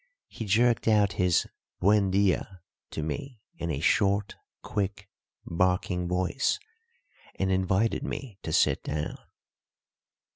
He jerked out his "Buen dia" to me in a short, quick, barking voice, and invited me to sit down.